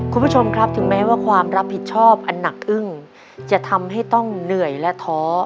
คุณผู้ชมครับถึงแม้ว่าความรับผิดชอบอันหนักอึ้งจะทำให้ต้องเหนื่อยและท้อ